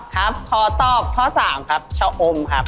ครับข้อตอบข้อสามครับชะอมครับ